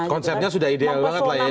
konsepnya sudah ideal banget lah ya itu ya